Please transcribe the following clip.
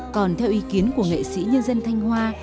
còn theo ý kiến của nghệ sĩ nhân dân thanh hoa